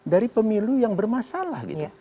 dari pemilu yang bermasalah gitu